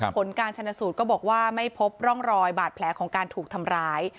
ผลการชนสูตรก็บอกว่าไม่พบร่องรอยบาดแผลของการถูกทำร้าย